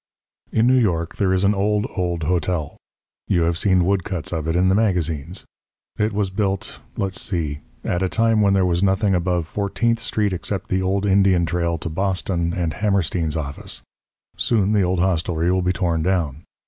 In New York there is an old, old hotel. You have seen woodcuts of it in the magazines. It was built let's see at a time when there was nothing above Fourteenth Street except the old Indian trail to Boston and Hammerstein's office. Soon the old hostelry will be torn down.